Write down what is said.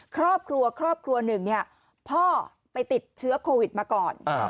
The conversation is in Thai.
ครอบครัว๑พ่อไปติดเชื้อโควิดมาก่อน